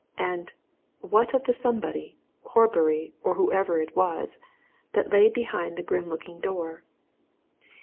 And what of the somebody, Horbury or whoever it was, that lay behind that grim looking door?